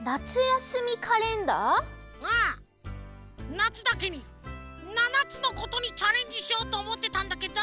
なつだけにななつのことにチャレンジしようとおもってたんだけど。